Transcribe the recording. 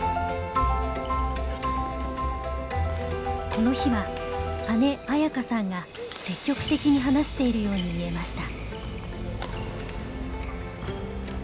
この日は姉紋可さんが積極的に話しているように見えました。